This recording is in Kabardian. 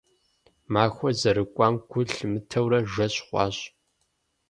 Махуэр зэрыкӀуам гу лъимытэурэ, жэщ хъуащ.